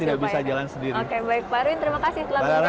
oke baik pak arwin terima kasih telah menonton